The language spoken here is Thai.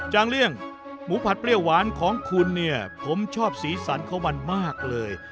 เลี่ยงหมูผัดเปรี้ยวหวานของคุณเนี่ยผมชอบสีสันของมันมากเลย